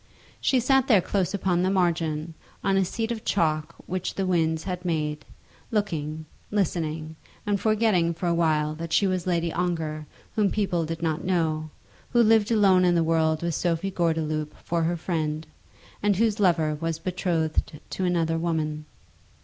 She sat there close upon the margin, on a seat of chalk which the winds had made, looking, listening, and forgetting for a while that she was Lady Ongar whom people did not know, who lived alone in the world with Sophie Gordeloup for her friend, and whose lover was betrothed to another woman.